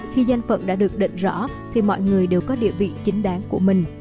khi danh phận đã được định rõ thì mọi người đều có địa vị chính đáng của mình